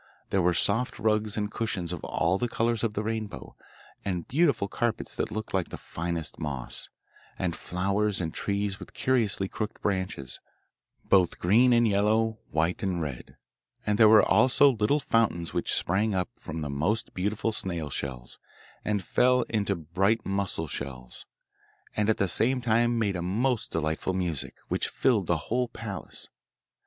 There were soft rugs and cushions of all the colours of the rainbow, and beautiful carpets that looked like the finest moss, and flowers and trees with curiously crooked branches, both green and yellow, white and red, and there were also little fountains which sprang up from the most beautiful snail shells, and fell into bright mussel shells, and at the same time made a most delightful music, which filled the whole palace.